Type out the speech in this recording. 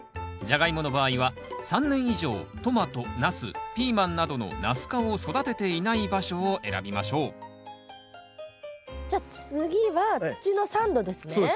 ジャガイモの場合は３年以上トマトナスピーマンなどのナス科を育てていない場所を選びましょうじゃあ次は土の酸度ですね。